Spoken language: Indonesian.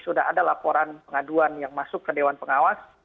sudah ada laporan pengaduan yang masuk ke dewan pengawas